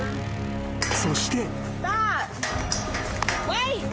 ［そして］